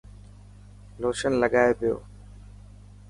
لوشن لگائي پيو.